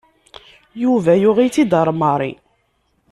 Yuba yuɣ-itt-id ɣer Mary.